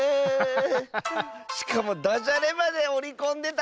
しかもだじゃれまでおりこんでた！